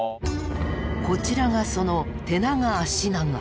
こちらがその「手長足長」。